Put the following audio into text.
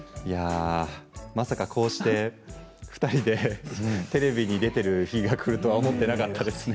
まさか、こうして２人でテレビに出ている日が来るとは思っていなかったですね。